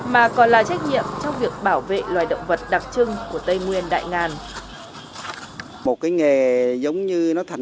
mà còn là trách nhiệm trong việc bảo vệ loài động vật đặc trưng của tây nguyên đại ngàn